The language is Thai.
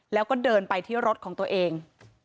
แล้วก็เดินไปที่รถของตัวเอง